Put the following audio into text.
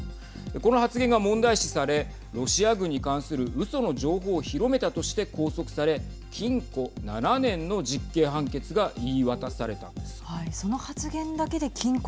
この発言が問題視されロシア軍に関するうその情報を広めたとして拘束され禁錮７年の実刑判決が言い渡されたんです。